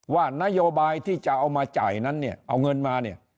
ว่านโยบายที่จะเอามาจ่ายนั้นเนี่ยเอาเงินมาเนี่ย